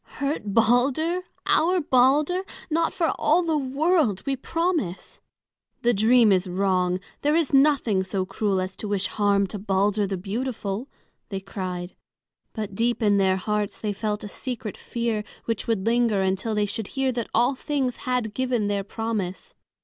"Hurt Balder! our Balder! Not for the world, we promise! The dream is wrong, there is nothing so cruel as to wish harm to Balder the beautiful!" they cried. But deep in their hearts they felt a secret fear which would linger until they should hear that all things had given their promise.